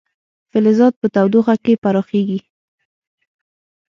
فلزات په تودوخه کې پراخېږي.